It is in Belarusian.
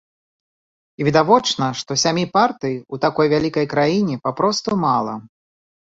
І відавочна, што сямі партый у такой вялікай краіне папросту мала.